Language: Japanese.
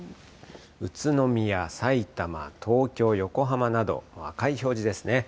宇都宮、さいたま、東京、横浜など、赤い表示ですね。